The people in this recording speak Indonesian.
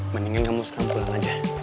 mendingan kamu sekarang pulang aja